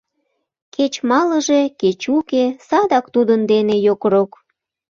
Кеч малыже, кеч уке, садак тудын дене йокрок.